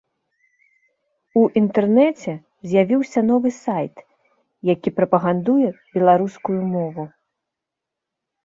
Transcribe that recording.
У інтэрнэце з'явіўся новы сайт, які прапагандуе беларускую мову.